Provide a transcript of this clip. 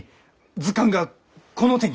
図鑑がこの手に。